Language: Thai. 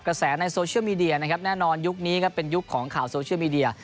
กระแสในโซเชียลมีเดียนะครับแน่นอนยุคนี้ครับเป็นยุคของข่าวโซเชียลมีเดีย